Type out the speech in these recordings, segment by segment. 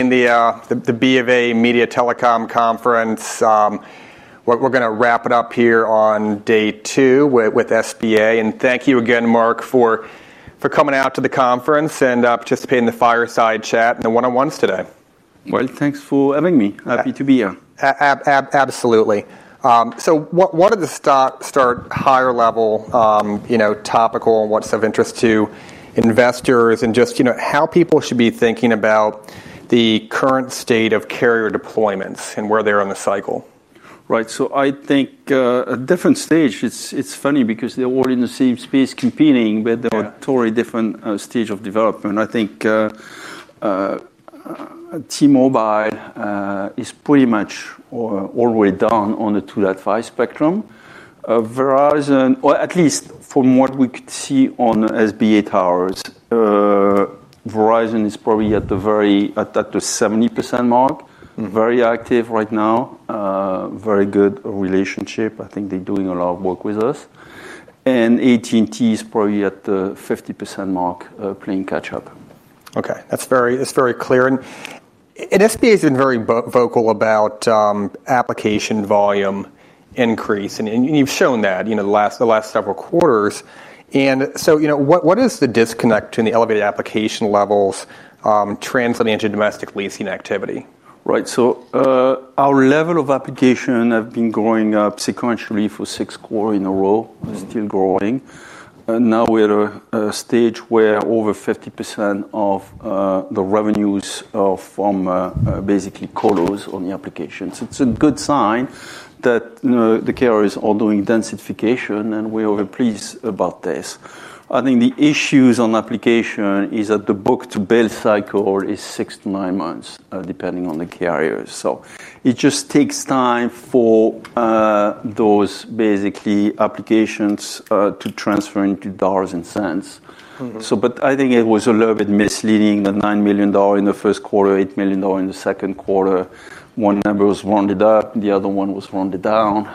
In the BofA Media Telecom Conference, we're going to wrap it up here on day two with SBA Communications Corporation. Thank you again, Mark DeRussy, for coming out to the conference and participating in the fireside chat and the one-on-ones today. Thanks for having me. Happy to be here. Absolutely. What are the higher level topical items and what's of interest to investors, and just how people should be thinking about the current state of carrier deployments and where they are in the cycle? Right. I think a different stage is funny because they're all in the same space competing, but they're totally different stage of development. I think T-Mobile is pretty much already done on the 2 to 5 spectrum. Verizon, or at least from what we could see on SBA towers, Verizon is probably at the 70% mark, very active right now, very good relationship. I think they're doing a lot of work with us. AT&T is probably at the 50% mark playing catch up. Okay. That's very clear. SBA Communications has been very vocal about application volume increase, and you've shown that the last several quarters. What is the disconnect between the elevated application levels translating into domestic leasing activity? Right. Our level of application has been going up sequentially for six quarters in a row, still growing. Now we're at a stage where over 50% of the revenues are from basically colos on the application. It's a good sign that the carriers are doing densification, and we're pleased about this. I think the issues on application is that the book-to-bill cycle is six to nine months, depending on the carriers. It just takes time for those basically applications to transfer into dollars and cents. I think it was a little bit misleading that $9 million in the first quarter, $8 million in the second quarter, one number was rounded up and the other one was rounded down.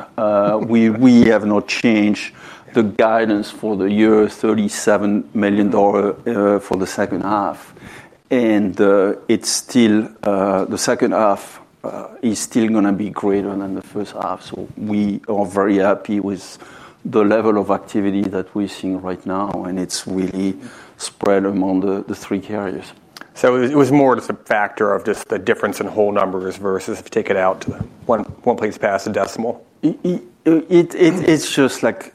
We have not changed the guidance for the year, $37 million for the second half. The second half is still going to be greater than the first half. We are very happy with the level of activity that we're seeing right now, and it's really spread among the three carriers. It was more just a factor of the difference in whole numbers versus take it out to one place past a decimal. It's just like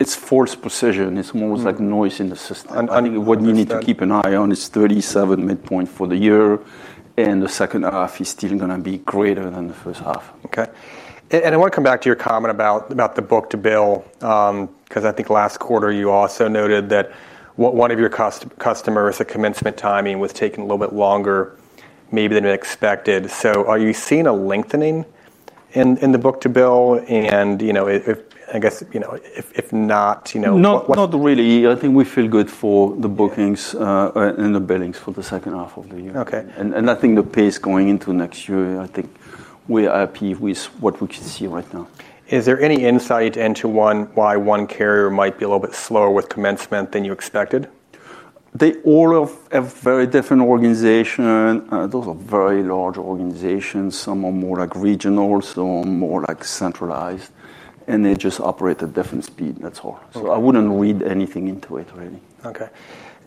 it's forced precision. It's almost like noise in the system. I think what you need to keep an eye on is 37 midpoint for the year, and the second half is still going to be greater than the first half. Okay. I want to come back to your comment about the book-to-bill because I think last quarter you also noted that one of your customers, the commencement timing was taking a little bit longer maybe than expected. Are you seeing a lengthening in the book-to-bill? If not, what? Not really. I think we feel good for the bookings and the billings for the second half of the year. Okay. I think the pace going into next year, I think we're happy with what we can see right now. Is there any insight into why one carrier might be a little bit slower with commencement than you expected? They all have very different organizations. Those are very large organizations. Some are more like regional, some are more like centralized, and they just operate at different speeds. That's all. I wouldn't read anything into it really. Okay.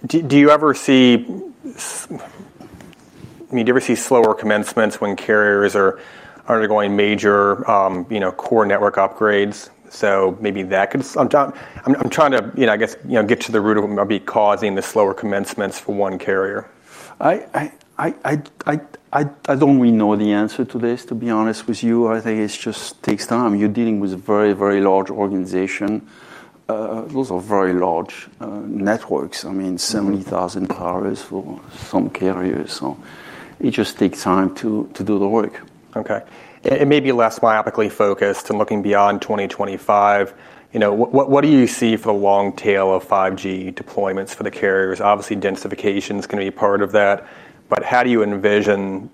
Do you ever see slower commencements when carriers are undergoing major core network upgrades? Maybe that could, I'm trying to, I guess, get to the root of what might be causing the slower commencements for one carrier. I don't really know the answer to this, to be honest with you. I think it just takes time. You're dealing with a very, very large organization. Those are very large networks. I mean, 70,000 towers for some carriers. It just takes time to do the work. Okay. Maybe less myopically focused and looking beyond 2025, what do you see for the long tail of 5G deployments for the carriers? Obviously, densification is going to be part of that, but how do you envision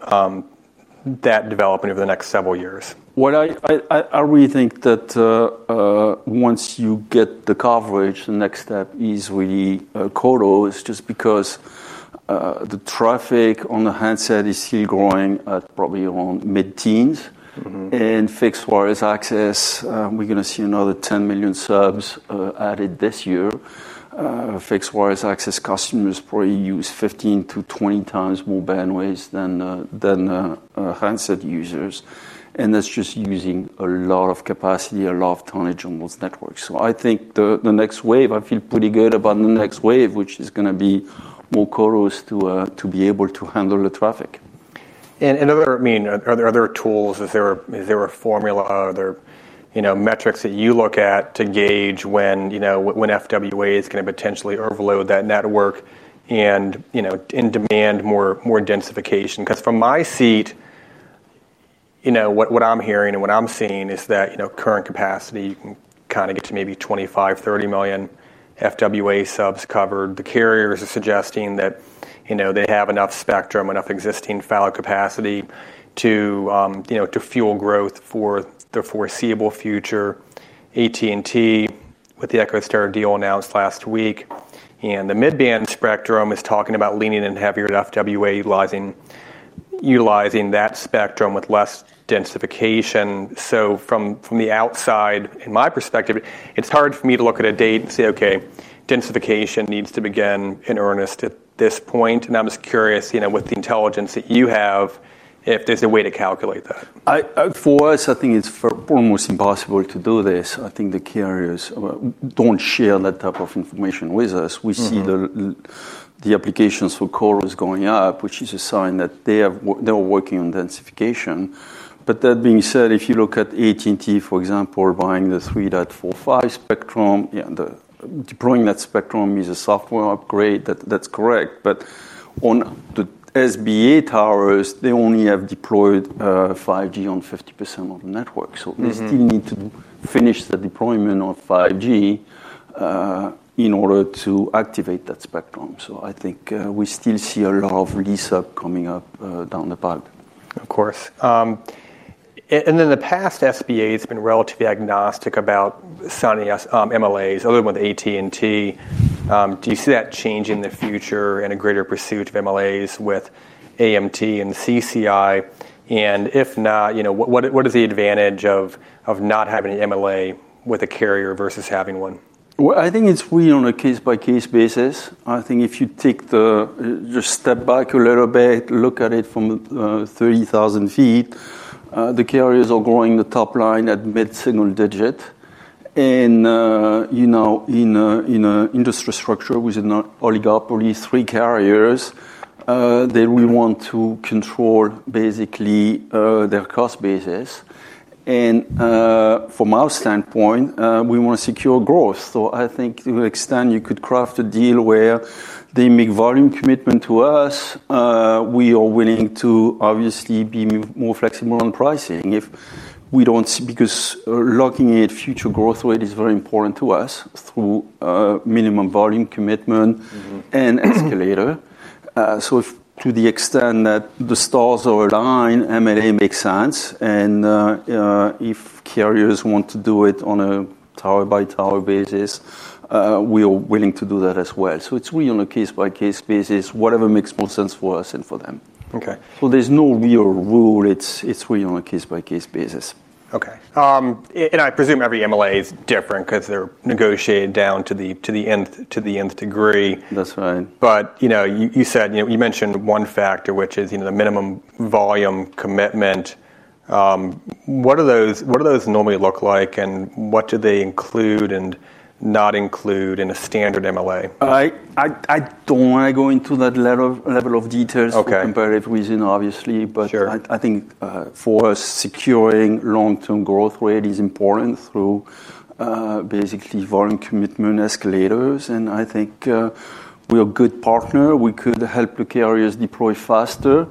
that development over the next several years? I really think that once you get the coverage, the next step is really colos just because the traffic on the handset is still growing at probably around mid-teens. Fixed wireless access, we're going to see another 10 million subs added this year. Fixed wireless access customers probably use 15 to 20 times more bandwidth than handset users. That's just using a lot of capacity, a lot of tonnage on those networks. I think the next wave, I feel pretty good about the next wave, which is going to be more colos to be able to handle the traffic. Are there other tools? Is there a formula? Are there metrics that you look at to gauge when FWA is going to potentially overload that network and demand more densification? From my seat, what I'm hearing and what I'm seeing is that current capacity, you can kind of get to maybe 25, 30 million FWA subs covered. The carriers are suggesting that they have enough spectrum, enough existing file capacity to fuel growth for the foreseeable future. AT&T, with the EchoStar deal announced last week, and the mid-band spectrum, is talking about leaning in heavier FWA, utilizing that spectrum with less densification. From the outside, in my perspective, it's hard for me to look at a date and say, okay, densification needs to begin in earnest at this point. I'm just curious, with the intelligence that you have, if there's a way to calculate that. For us, I think it's almost impossible to do this. I think the carriers don't share that type of information with us. We see the applications for colos going up, which is a sign that they are working on densification. That being said, if you look at AT&T, for example, buying the 3.45 spectrum, deploying that spectrum is a software upgrade. That's correct. On the SBA towers, they only have deployed 5G on 50% of the network. They still need to finish the deployment on 5G in order to activate that spectrum. I think we still see a lot of lease up coming up down the pike. Of course. In the past, SBA has been relatively agnostic about master lease agreements, other than with AT&T. Do you see that changing in the future and a greater pursuit of master lease agreements with AMT and CCI? If not, what is the advantage of not having a master lease agreement with a carrier versus having one? I think it's really on a case-by-case basis. I think if you take the step back a little bit, look at it from 30,000 feet, the carriers are growing the top line at mid-single digit. In an industry structure with an oligopoly, three carriers, they really want to control basically their cost basis. From our standpoint, we want to secure growth. I think to the extent you could craft a deal where they make volume commitment to us, we are willing to obviously be more flexible on pricing if we don't, because locking in future growth rate is very important to us through minimum volume commitment and escalator. To the extent that the stars are aligned, MLA makes sense. If carriers want to do it on a tower-by-tower basis, we are willing to do that as well. It's really on a case-by-case basis, whatever makes more sense for us and for them. Okay. There is no real rule. It's really on a case-by-case basis. Okay. I presume every master lease agreement is different because they're negotiated down to the nth degree. That's right. You mentioned one factor, which is the minimum volume commitment. What do those normally look like, and what do they include and not include in a standard MLA? I don't want to go into that level of details to compare it with, obviously, but I think for us, securing long-term growth rate is important through basically volume commitment escalators. I think we are a good partner. We could help the carriers deploy faster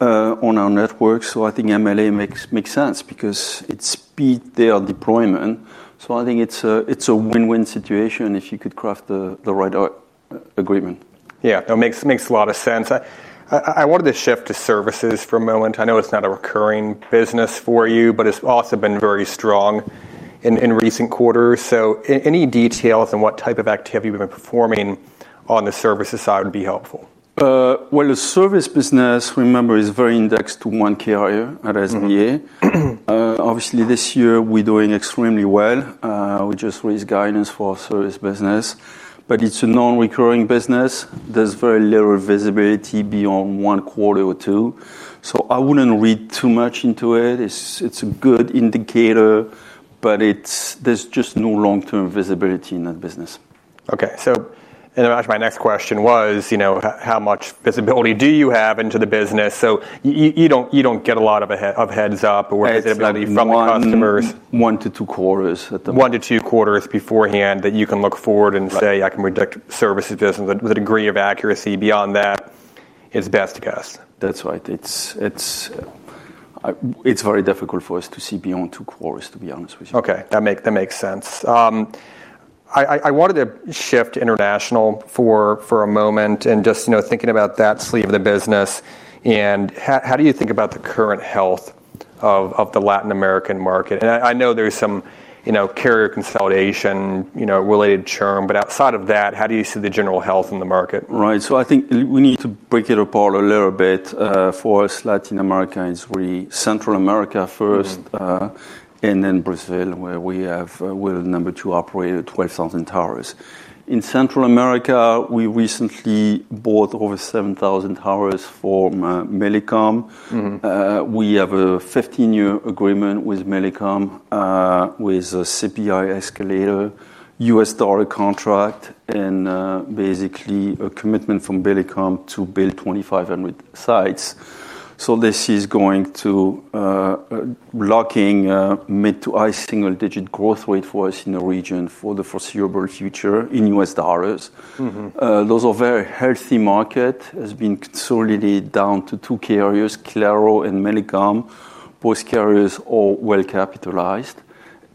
on our network. I think MLA makes sense because it speeds their deployment. I think it's a win-win situation if you could craft the right agreement. Yeah, it makes a lot of sense. I wanted to shift to services for a moment. I know it's not a recurring business for you, but it's also been very strong in recent quarters. Any details on what type of activity we've been performing on the services side would be helpful. The service business, remember, is very indexed to one carrier at SBA. Obviously, this year we're doing extremely well. We just raised guidance for our service business, but it's a non-recurring business. There's very little visibility beyond one quarter or two. I wouldn't read too much into it. It's a good indicator, but there's just no long-term visibility in that business. Okay. My next question was, you know, how much visibility do you have into the business? You don't get a lot of heads up or visibility from customers. One to two quarters at the most. One to two quarters beforehand that you can look forward and say, I can predict services business with a degree of accuracy. Beyond that, it's best guess. That's right. It's very difficult for us to see beyond two quarters, to be honest with you. Okay. That makes sense. I wanted to shift to international for a moment, just thinking about that sleeve of the business. How do you think about the current health of the Latin American market? I know there's some carrier consolidation related churn, but outside of that, how do you see the general health in the market? Right. I think we need to break it apart a little bit. For us, Latin America is really Central America first and then Brazil, where we have a willing number to operate at 12,000 towers. In Central America, we recently bought over 7,000 towers from Millicom. We have a 15-year agreement with Millicom with a CPI escalator, U.S. dollar contract, and basically a commitment from Millicom to build 2,500 sites. This is going to lock in mid to high single-digit growth rate for us in the region for the foreseeable future in U.S. dollars. Those are very healthy markets. It's been solidly down to two carriers, Claro and Millicom. Both carriers are well capitalized.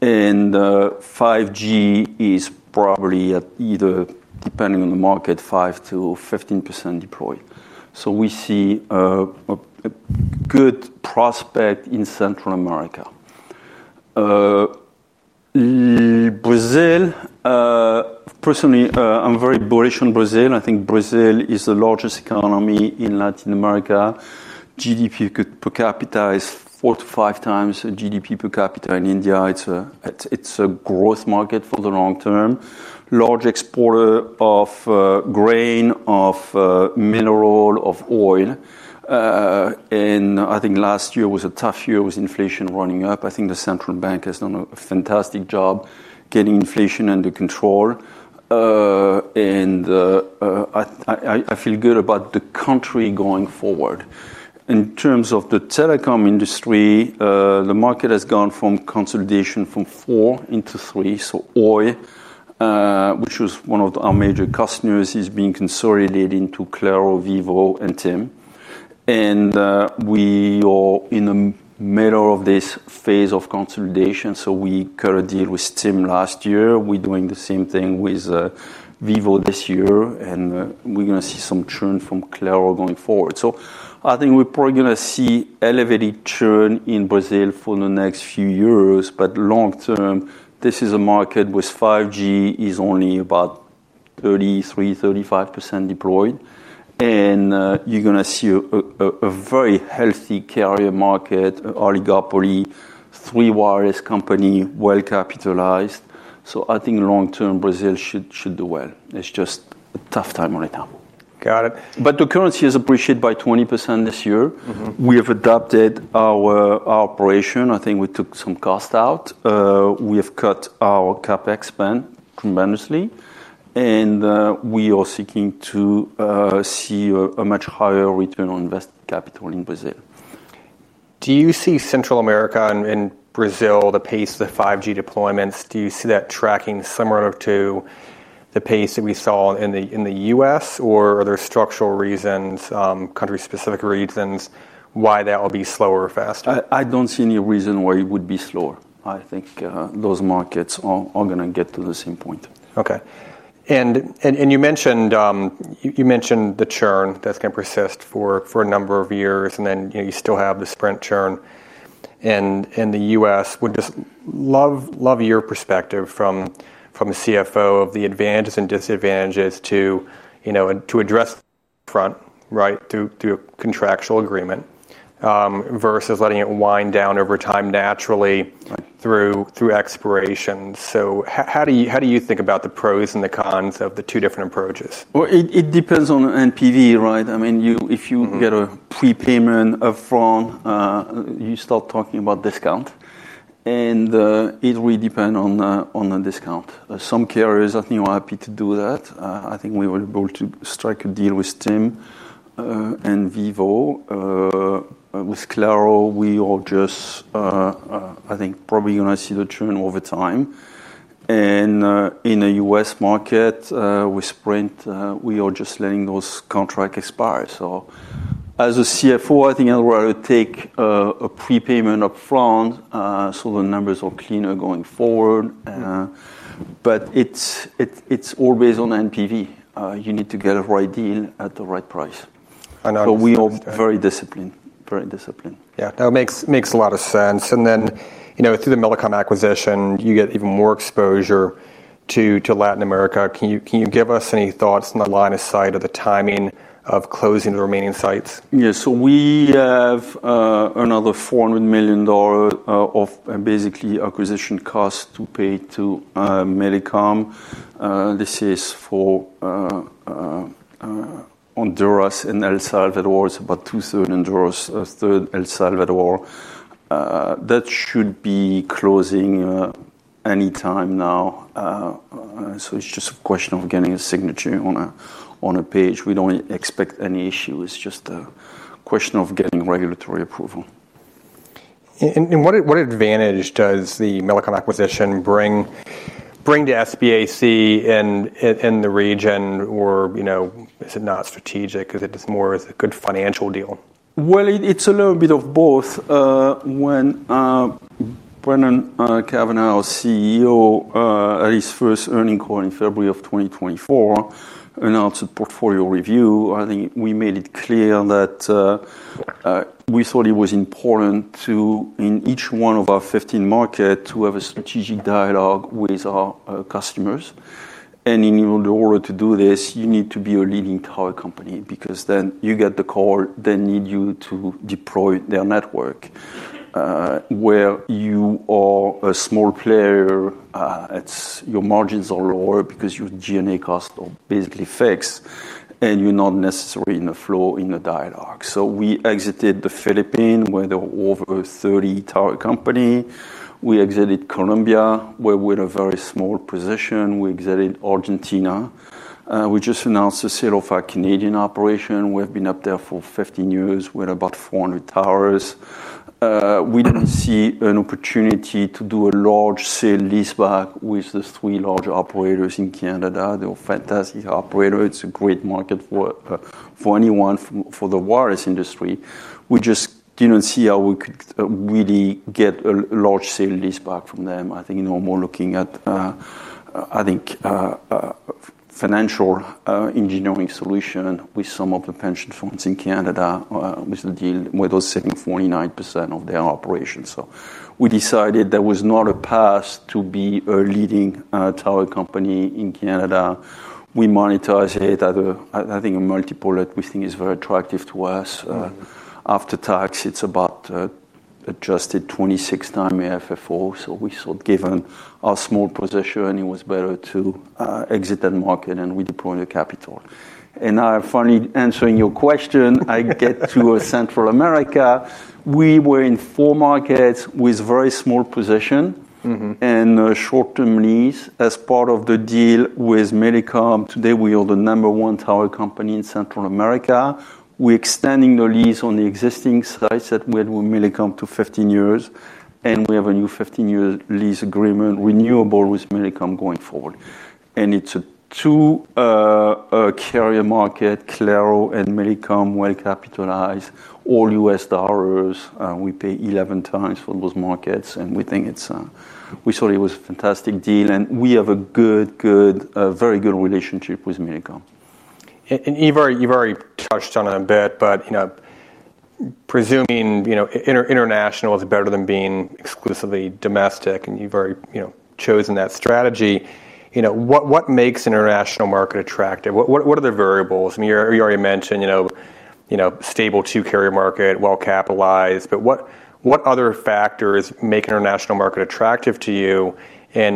5G is probably at either, depending on the market, 5% to 15% deployed. We see a good prospect in Central America. Brazil, personally, I'm very bullish on Brazil. I think Brazil is the largest economy in Latin America. GDP per capita is four to five times GDP per capita in India. It's a growth market for the long term. Large exporter of grain, of mineral, of oil. Last year was a tough year with inflation running up. I think the Central Bank has done a fantastic job getting inflation under control. I feel good about the country going forward. In terms of the telecom industry, the market has gone from consolidation from four into three. Oi, which was one of our major customers, is being consolidated into Claro, Vivo, and TIM. We are in the middle of this phase of consolidation. We got a deal with TIM last year. We're doing the same thing with Vivo this year. We're going to see some churn from Claro going forward. I think we're probably going to see elevated churn in Brazil for the next few years. Long term, this is a market where 5G is only about 30%, 30%, 35% deployed. You're going to see a very healthy carrier market, oligopoly, three wireless company, well capitalized. I think long term, Brazil should do well. It's just a tough time on it now. Got it. The currency has appreciated by 20% this year. We have adapted our operation. I think we took some cost out. We have cut our CapEx spend tremendously, and we are seeking to see a much higher return on invested capital in Brazil. Do you see Central America and Brazil, the pace of the 5G deployments, do you see that tracking similar to the pace that we saw in the U.S., or are there structural reasons, country-specific reasons why that will be slower or faster? I don't see any reason why it would be slower. I think those markets are going to get to the same point. Okay. You mentioned the churn that's going to persist for a number of years, and then you still have the Sprint churn. In the U.S., would just love your perspective from the CFO of the advantages and disadvantages to address the front, right, through a contractual agreement versus letting it wind down over time naturally through expirations. How do you think about the pros and the cons of the two different approaches? It depends on the NPV, right? I mean, if you get a prepayment upfront, you start talking about discount, and it really depends on the discount. Some carriers, I think, are happy to do that. I think we were able to strike a deal with TIM and Vivo. With Claro, we are just, I think, probably going to see the churn over time. In the U.S. market, with Sprint, we are just letting those contracts expire. As a CFO, I think I'd rather take a prepayment upfront so the numbers are cleaner going forward, but it's all based on NPV. You need to get the right deal at the right price. We are very disciplined. Very disciplined. Yeah, that makes a lot of sense. You know, through the Millicom acquisition, you get even more exposure to Latin America. Can you give us any thoughts on the line of sight or the timing of closing the remaining sites? Yeah, so we have another $400 million of basically acquisition costs to pay to Millicom. This is for Honduras and El Salvador. It's about two thirds of El Salvador. That should be closing anytime now. It's just a question of getting a signature on a page. We don't expect any issues. It's just a question of getting regulatory approval. What advantage does the Millicom acquisition bring to SBAC and the region, or is it not strategic? Is it just more of a good financial deal? It's a little bit of both. When Brendan Cavanagh, our CEO, at his first earnings call in February 2024, announced a portfolio review, I think we made it clear that we thought it was important to, in each one of our 15 markets, have a strategic dialogue with our customers. In order to do this, you need to be a leading tower company because then you get the call, they need you to deploy their network. Where you are a small player, your margins are lower because your DNA costs are basically fixed and you're not necessarily in the flow in the dialogue. We exited the Philippines where there were over 30 tower companies. We exited Colombia where we had a very small position. We exited Argentina. We just announced the sale of our Canadian operation. We've been up there for 15 years. We had about 400 towers. We didn't see an opportunity to do a large sale leaseback with the three larger operators in Canada. They're fantastic operators. It's a great market for anyone, for the wireless industry. We just didn't see how we could really get a large sale leaseback from them. I think normally looking at, I think, financial engineering solution with some of the pension funds in Canada with a deal where they're selling 49% of their operations. We decided that was not a path to be a leading tower company in Canada. We monetized it at a, I think, a multiple that we think is very attractive to us. After tax, it's about adjusted 26 times the FFO. We thought given our small position, it was better to exit that market and we deployed the capital. Now I'm finally answering your question. I get to Central America. We were in four markets with very small position and a short-term lease as part of the deal with Millicom. Today, we are the number one tower company in Central America. We're extending the lease on the existing sites that we had with Millicom to 15 years. We have a new 15-year lease agreement renewable with Millicom going forward. It's a two-carrier market, Claro and Millicom, well capitalized, all U.S. dollars. We pay 11 times for those markets. We thought it was a fantastic deal. We have a good, good, very good relationship with Millicom. You've already touched on it a bit, but presuming international is better than being exclusively domestic, and you've already chosen that strategy. What makes the international market attractive? What are the variables? You already mentioned stable two-carrier market, well capitalized, but what other factors make the international market attractive to you?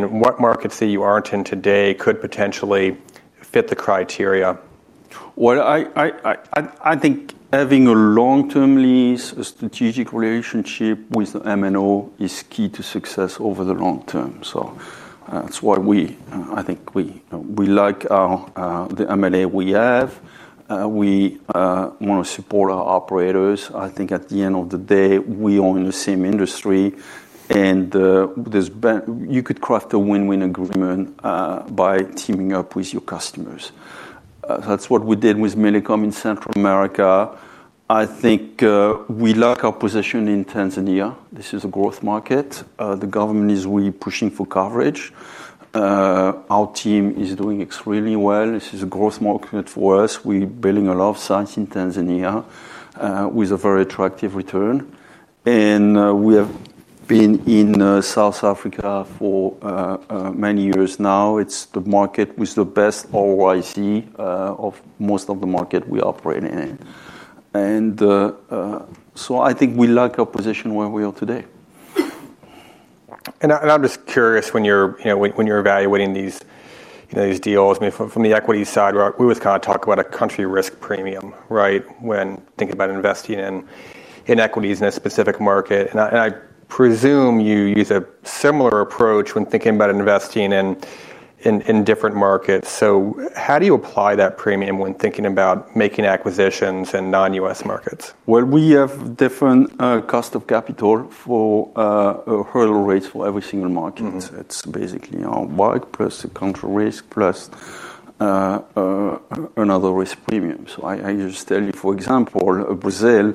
What markets that you aren't in today could potentially fit the criteria? I think having a long-term lease, a strategic relationship with the MNO is key to success over the long term. That's why we like the M&A we have. We want to support our operators. I think at the end of the day, we are in the same industry. You could craft a win-win agreement by teaming up with your customers. That's what we did with Millicom in Central America. I think we like our position in Tanzania. This is a growth market. The government is really pushing for coverage. Our team is doing extremely well. This is a growth market for us. We're building a lot of sites in Tanzania with a very attractive return. We have been in South Africa for many years now. It's the market with the best ROIC of most of the markets we operate in. I think we like our position where we are today. I'm just curious when you're evaluating these deals, I mean, from the equity side, we always kind of talk about a country risk premium, right, when thinking about investing in equities in a specific market. I presume you use a similar approach when thinking about investing in different markets. How do you apply that premium when thinking about making acquisitions in non-U.S. markets? We have different cost of capital for hurdle rates for every single market. It's basically our bike plus the country risk plus another risk premium. I can just tell you, for example, Brazil,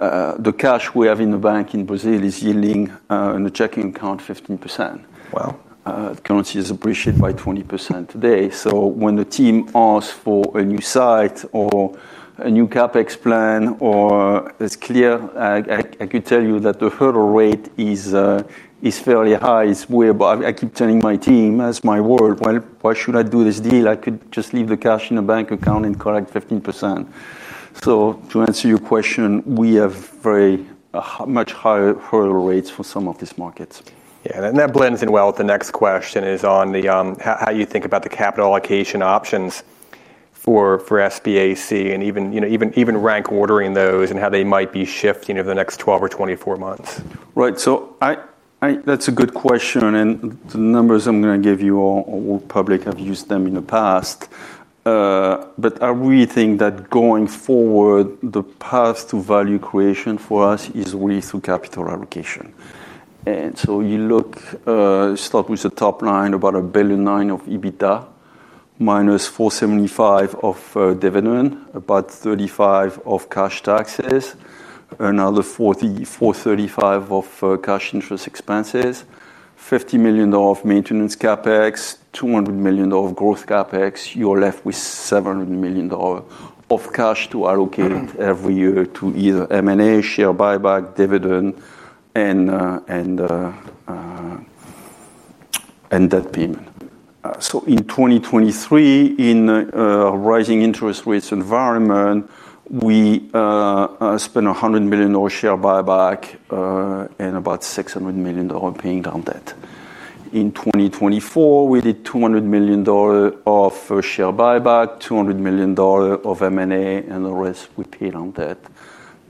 the cash we have in the bank in Brazil is yielding in the checking account 15%. Wow. The currency is appreciated by 20% today. When the team asks for a new site or a new CapEx plan, it's clear. I could tell you that the hurdle rate is fairly high. I keep telling my team, that's my world. Why should I do this deal? I could just leave the cash in a bank account and collect 15%. To answer your question, we have very much higher hurdle rates for some of these markets. Yeah, that blends in well with the next question is on how you think about the capital allocation options for SBAC and even rank ordering those and how they might be shifting over the next 12 or 24 months. Right. That's a good question. The numbers I'm going to give you all are public. I've used them in the past. I really think that going forward, the path to value creation for us is really through capital allocation. You look, start with the top line, about $1.9 billion of EBITDA minus $475 million of dividend, about $35 million of cash taxes, another $435 million of cash interest expenses, $50 million of maintenance CapEx, $200 million of growth CapEx. You're left with $700 million of cash to allocate every year to either M&A, share buyback, dividend, and debt payment. In 2023, in a rising interest rates environment, we spent $100 million share buyback and about $600 million paying down debt. In 2024, we did $200 million of share buyback, $200 million of M&A, and the rest we paid on debt.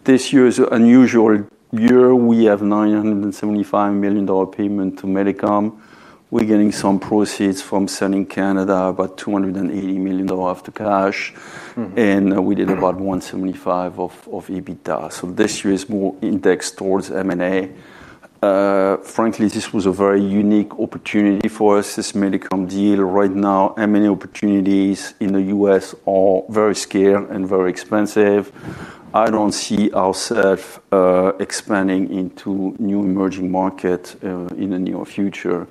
This year is an unusual year. We have $975 million payment to Millicom. We're getting some proceeds from selling Canada, about $280 million of the cash. We did about $175 million of EBITDA. This year is more indexed towards M&A. Frankly, this was a very unique opportunity for us. This Millicom deal right now, M&A opportunities in the U.S. are very scarce and very expensive. I don't see ourselves expanding into new emerging markets in the near future.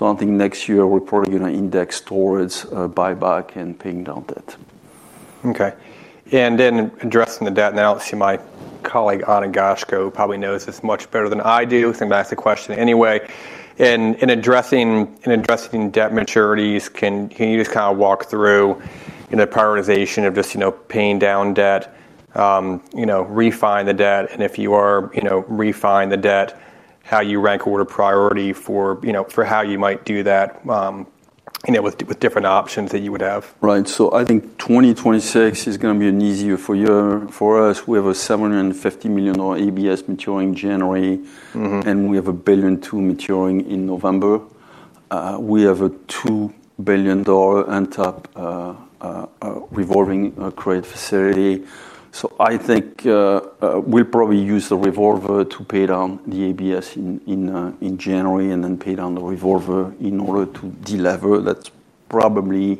I think next year we're probably going to index towards buyback and paying down debt. Okay. Addressing the debt analysis, my colleague Ana Gasco probably knows this much better than I do. I was going to ask the question anyway. In addressing debt maturities, can you just kind of walk through the prioritization of just paying down debt, refining the debt, and if you are refining the debt, how you rank order priority for how you might do that with different options that you would have. Right. I think 2026 is going to be an easy year for us. We have a $750 million ABS maturing in January, and we have $1.2 billion maturing in November. We have a $2 billion revolving credit facility on top. I think we'll probably use the revolver to pay down the ABS in January and then pay down the revolver in order to delever. That's probably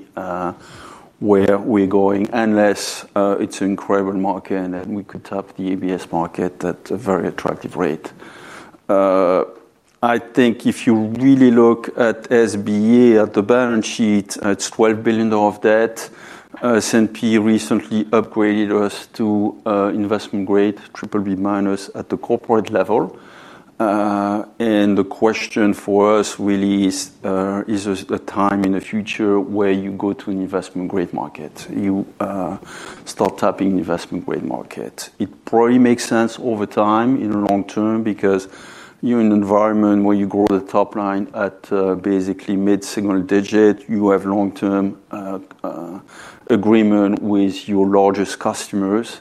where we're going unless it's an incredible market and we could tap the ABS market at a very attractive rate. If you really look at SBA Communications Corporation at the balance sheet, it's $12 billion of debt. S&P recently upgraded us to investment grade BBB minus at the corporate level. The question for us really is, is there a time in the future where you go to an investment grade market? You start tapping investment grade markets. It probably makes sense over time in the long term because you're in an environment where you grow the top line at basically mid-single digit. You have long-term agreements with your largest customers,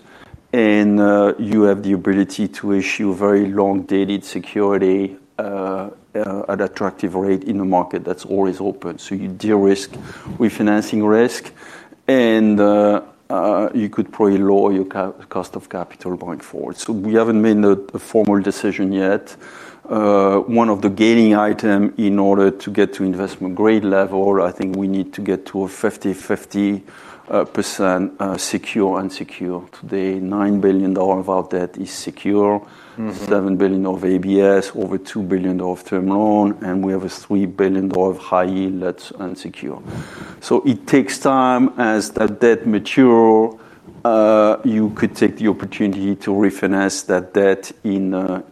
and you have the ability to issue very long-dated security at an attractive rate in a market that's always open. You de-risk refinancing risk, and you could probably lower your cost of capital going forward. We haven't made a formal decision yet. One of the gating items in order to get to investment grade level, I think we need to get to a 50-50% secured and unsecured. Today, $9 billion of our debt is secured, $7 billion of ABS, over $2 billion of term loan, and we have $3 billion of high yield that's unsecured. It takes time as that debt matures. You could take the opportunity to refinance that debt in the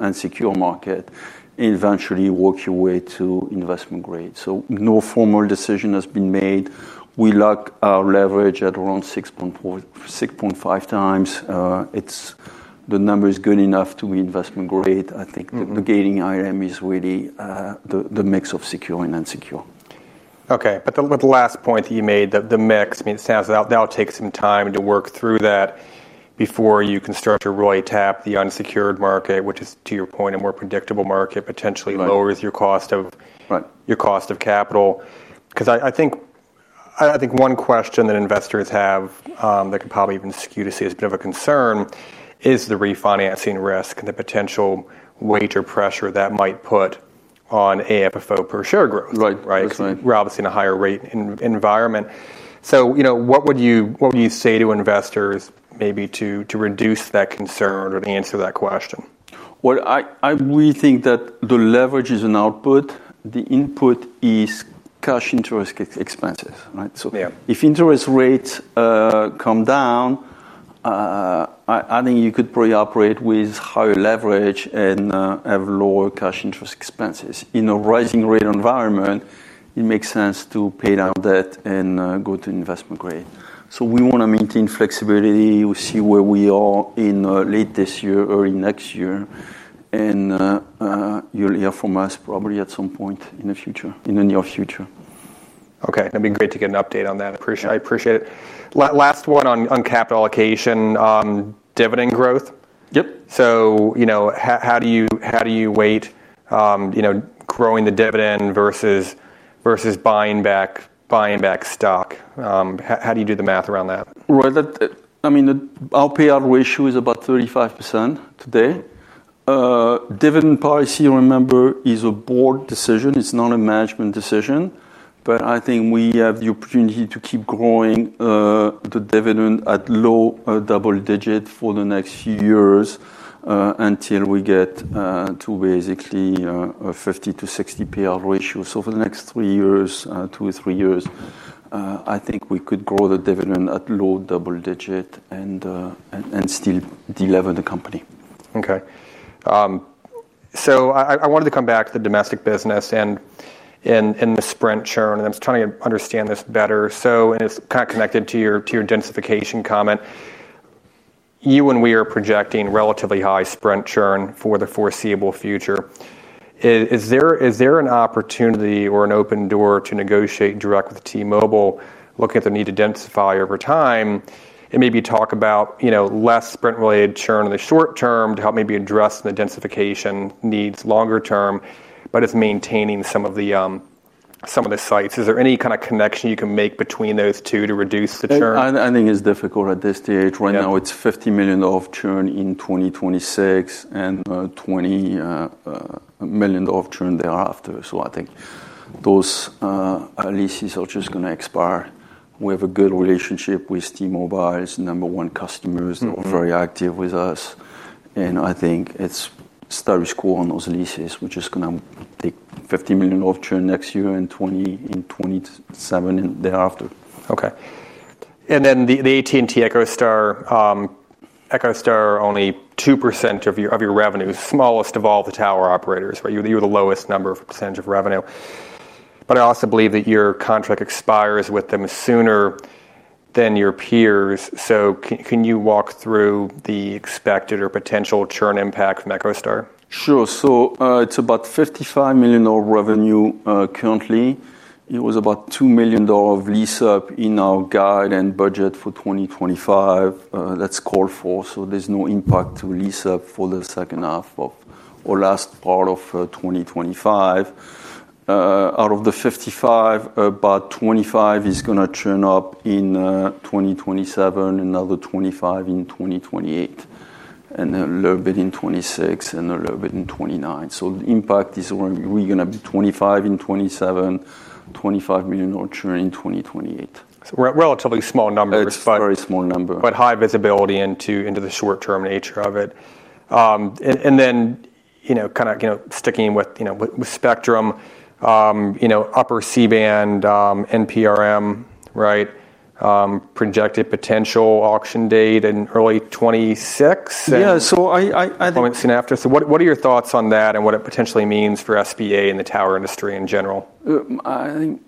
unsecured market and eventually work your way to investment grade. No formal decision has been made. We lock our leverage at around 6.5 times. The number is good enough to be investment grade. I think the gating item is really the mix of secured and unsecured. Okay. The last point that you made, the mix, I mean, it sounds like that'll take some time to work through that before you can start to really tap the unsecured market, which is, to your point, a more predictable market, potentially lowers your cost of capital. I think one question that investors have that could probably even skew the system of a concern is the refinancing risk and the potential weight or pressure that might put on AFFO per share growth. Right. We're obviously in a higher rate environment. What would you say to investors maybe to reduce that concern or to answer that question? I really think that the leverage is an output. The input is cash interest expenses. If interest rates come down, I think you could probably operate with higher leverage and have lower cash interest expenses. In a rising rate environment, it makes sense to pay down debt and go to investment grade. We want to maintain flexibility. We'll see where we are in late this year, early next year. You'll hear from us probably at some point in the future, in the near future. Okay, that'd be great to get an update on that. I appreciate it. Last one on capital allocation, dividend growth. Yep. How do you weight growing the dividend versus buying back stock? How do you do the math around that? Our payout ratio is about 35% today. Dividend policy, remember, is a board decision. It's not a management decision. I think we have the opportunity to keep growing the dividend at low double digit for the next few years until we get to basically a 50% to 60% payout ratio. For the next three years, two to three years, I think we could grow the dividend at low double digit and still deliver the company. Okay. I wanted to come back to the domestic business and the Sprint churn. I'm just trying to understand this better. It's kind of connected to your densification comment. You and we are projecting relatively high Sprint churn for the foreseeable future. Is there an opportunity or an open door to negotiate direct with T-Mobile, look at their need to densify over time, and maybe talk about less Sprint-related churn in the short term to help maybe address the densification needs longer term, but it's maintaining some of the sites. Is there any kind of connection you can make between those two to reduce the churn? I think it's difficult at this stage. Right now, it's $50 million of churn in 2026 and $20 million of churn thereafter. I think those leases are just going to expire. We have a good relationship with T-Mobile's number one customers that are very active with us. I think it's status quo on those leases, which is going to take $50 million of churn next year and $20 million in 2027 and thereafter. Okay. The AT&T EchoStar, EchoStar, only 2% of your revenue, smallest of all the tower operators, but you're the lowest % of revenue. I also believe that your contract expires with them sooner than your peers. Can you walk through the expected or potential churn impact from EchoStar? Sure. It's about $55 million of revenue currently. It was about $2 million of lease up in our guide and budget for 2025. That's called for. There's no impact to lease up for the second half or last part of 2025. Out of the $55 million, about $25 million is going to churn up in 2027, another $25 million in 2028, and a little bit in 2026, and a little bit in 2029. The impact is we're going to be $25 million in 2027, $25 million of churn in 2028. Relatively small numbers. It's a very small number. is high visibility into the short-term nature of it. You know, kind of sticking in with spectrum, upper C-band, NPRM, right, projected potential auction date in early 2026. I think. What are your thoughts on that and what it potentially means for SBA in the tower industry in general? I think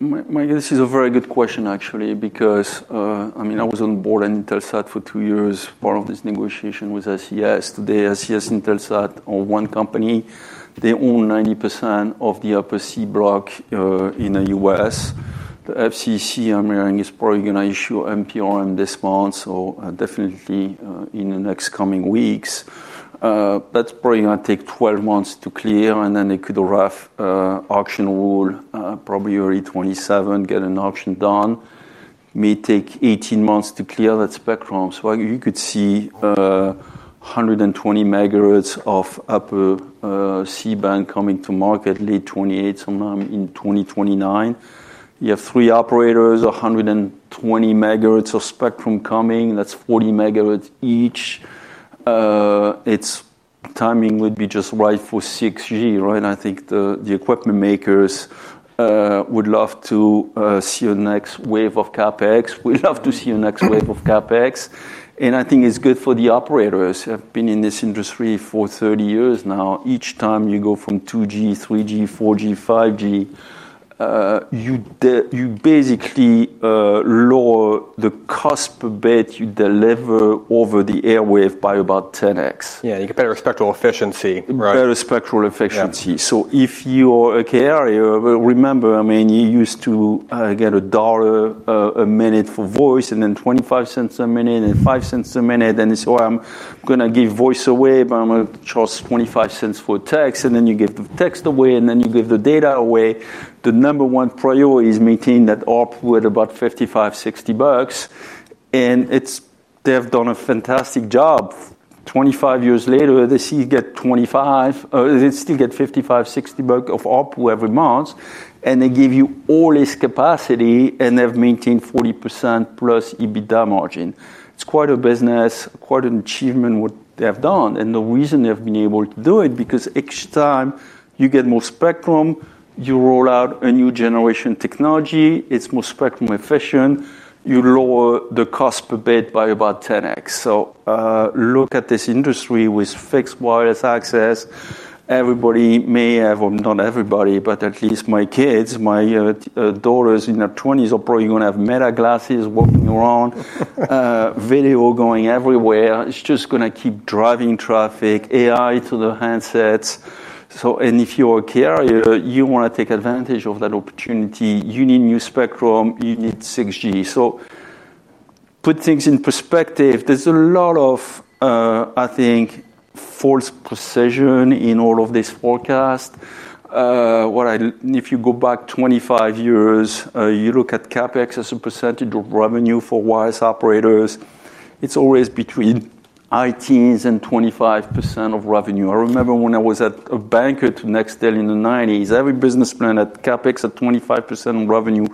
this is a very good question, actually, because I mean, I was on board at Intelsat for two years, part of this negotiation with SES. Today, SES and Intelsat are one company. They own 90% of the upper C-band in the U.S. The FCC, I'm hearing, is probably going to issue an NPRM this month, definitely in the next coming weeks. That's probably going to take 12 months to clear, and they could draft an auction rule probably early 2027, get an auction done. It may take 18 months to clear that spectrum. You could see 120 megahertz of upper C-band coming to market late 2028, sometime in 2029. You have three operators, 120 megahertz of spectrum coming. That's 40 megahertz each. Its timing would be just right for 6G, right? I think the equipment makers would love to see the next wave of CapEx. We'd love to see the next wave of CapEx. I think it's good for the operators. I've been in this industry for 30 years now. Each time you go from 2G, 3G, 4G, 5G, you basically lower the cost per bit you deliver over the airwave by about 10x. Yeah, you get better spectral efficiency. Better spectral efficiency. If you are a carrier, remember, you used to get $1 a minute for voice and then $0.25 a minute and then $0.05 a minute. I'm going to give voice away, but I'm going to charge $0.25 for text. Then you give the text away and then you give the data away. The number one priority is maintaining that ARPU at about $55, $60. They've done a fantastic job. Twenty-five years later, they still get $55, $60 of ARPU every month. They give you all this capacity and they've maintained 40% plus EBITDA margin. It's quite a business, quite an achievement what they have done. The reason they've been able to do it is because each time you get more spectrum, you roll out a new generation technology, it's more spectrum efficient, you lower the cost per bit by about 10x. Look at this industry with fixed wireless access. Everybody may have, or not everybody, but at least my kids, my daughters in their 20s are probably going to have Meta glasses walking around, video going everywhere. It's just going to keep driving traffic, AI to the handsets. If you're a carrier, you want to take advantage of that opportunity. You need new spectrum, you need 6G. Put things in perspective. There's a lot of, I think, false precision in all of this forecast. If you go back 25 years, you look at CapEx as a percentage of revenue for wireless operators, it's always between 18% and 25% of revenue. I remember when I was a banker to Nextel in the 1990s, every business plan had CapEx at 25% revenue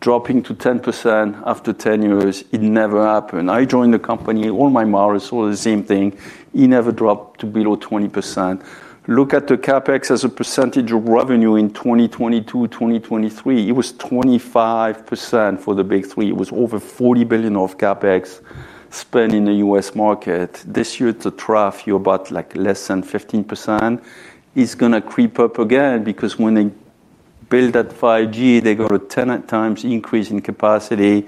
dropping to 10% after 10 years. It never happened. I joined the company, all my models saw the same thing. It never dropped to below 20%. Look at the CapEx as a percentage of revenue in 2022-2023. It was 25% for the big three. It was over $40 billion of CapEx spent in the U.S. market. This year, it's a trough. You're about like less than 15%. It's going to creep up again because when they build that 5G, they got a 10x increase in capacity.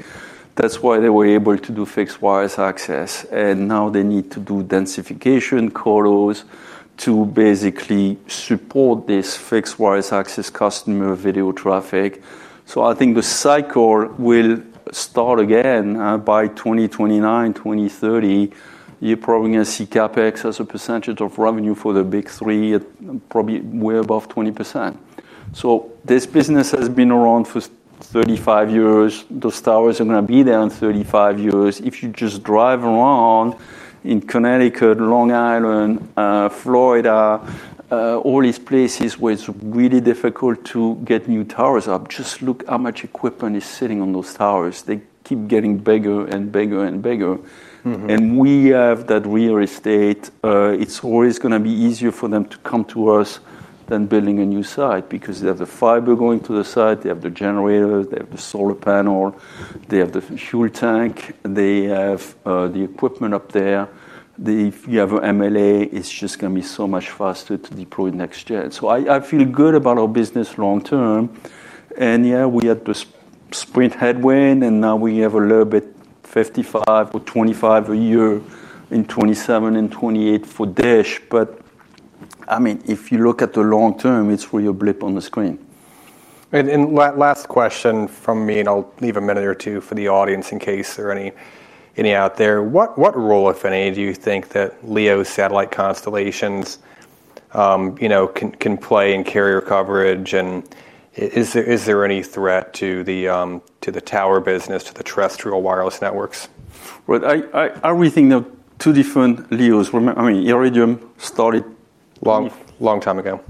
That's why they were able to do fixed wireless access. Now they need to do densification colos to basically support this fixed wireless access customer video traffic. I think the cycle will start again by 2029, 2030. You're probably going to see CapEx as a percentage of revenue for the big three at probably way above 20%. This business has been around for 35 years. Those towers are going to be there in 35 years. If you just drive around in Connecticut, Long Island, Florida, all these places where it's really difficult to get new towers up, just look how much equipment is sitting on those towers. They keep getting bigger and bigger and bigger. We have that real estate. It's always going to be easier for them to come to us than building a new site because they have the fiber going to the site, they have the generators, they have the solar panel, they have the fuel tank, they have the equipment up there. If you have an MLA, it's just going to be so much faster to deploy next gen. I feel good about our business long term. We had the Sprint headwind and now we have a little bit $55 or $25 a year in 2027 and 2028 for DAS. If you look at the long term, it's really a blip on the screen. Last question from me, I'll leave a minute or two for the audience in case there are any out there. What role, if any, do you think that LEO satellite constellations can play in carrier coverage? Is there any threat to the tower business, to the terrestrial wireless networks? I really think there are two different LEOs. I mean, Iridium started a long time ago.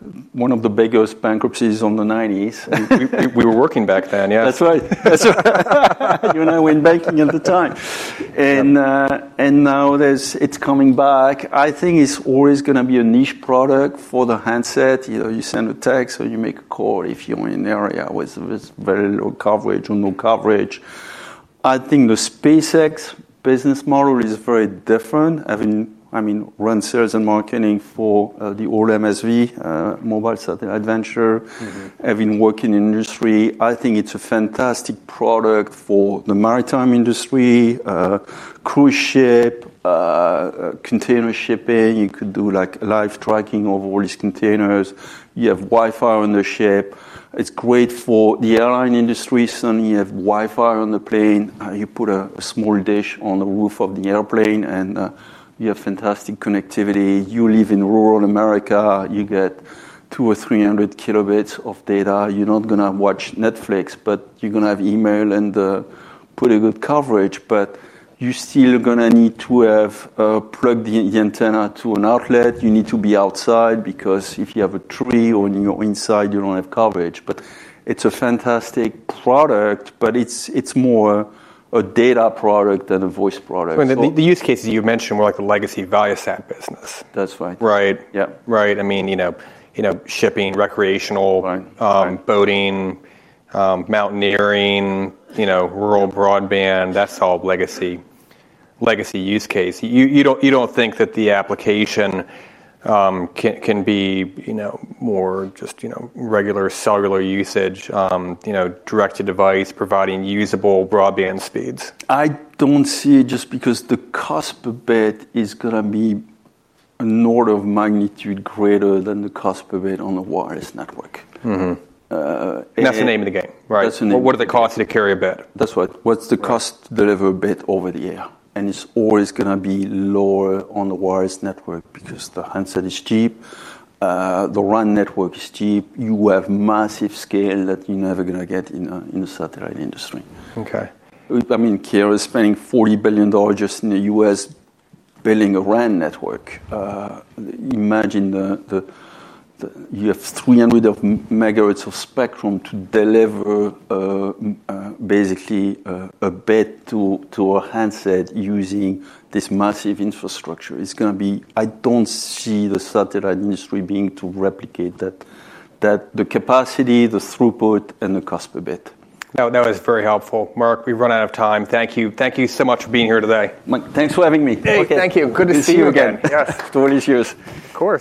Yeah. One of the biggest bankruptcies in the 1990s. We were working back then, yeah. That's right. That's right. You and I went banking at the time. Now it's coming back. I think it's always going to be a niche product for the handset. You send a text or you make a call if you're in an area with very low coverage or no coverage. I think the SpaceX business model is very different. I ran sales and marketing for the old MSV, Mobile Satellite Venture. I've been working in the industry. I think it's a fantastic product for the maritime industry, cruise ship, container shipping. You could do live tracking of all these containers. You have Wi-Fi on the ship. It's great for the airline industry. Suddenly, you have Wi-Fi on the plane. You put a small dish on the roof of the airplane and you have fantastic connectivity. You live in rural America. You get 200 or 300 kilobits of data. You're not going to watch Netflix, but you're going to have email and pretty good coverage. You're still going to need to plug the antenna to an outlet. You need to be outside because if you have a tree or you're inside, you don't have coverage. It's a fantastic product, but it's more a data product than a voice product. The use cases you mentioned were like the legacy ViaSat business. That's right. Right. Yeah. Right. I mean, shipping, recreational boating, mountaineering, rural broadband, that's all legacy use case. You don't think that the application can be more just regular cellular usage, direct-to-device providing usable broadband speeds? I don't see it just because the cost per bit is going to be an order of magnitude greater than the cost per bit on the wireless network. That is the name of the game, right? That's the name. What are the costs to carry a bit? That's right. What's the cost to deliver a bit over the air? It's always going to be lower on the wireless network because the handset is cheap, the RAN network is cheap, and you have massive scale that you're never going to get in the satellite industry. Okay. I mean, carriers spending $40 billion just in the U.S. building a RAN network. Imagine you have 300 megahertz of spectrum to deliver basically a bit to a handset using this massive infrastructure. It's going to be, I don't see the satellite industry being able to replicate that. The capacity, the throughput, and the cost per bit. That was very helpful. Mark, we've run out of time. Thank you. Thank you so much for being here today. Thanks for having me. Thank you. Good to see you again. Yeah, it's delicious. Of course.